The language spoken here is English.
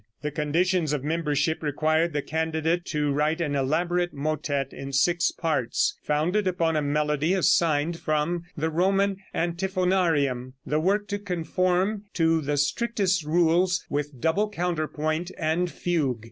The conditions of membership required the candidate to write an elaborate motette in six parts, founded upon a melody assigned from the Roman Antiphonarium, the work to conform to the strictest rules, with double counterpoint and fugue.